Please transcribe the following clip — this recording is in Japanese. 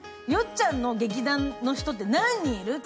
ちゃんの劇団の人って何人いる？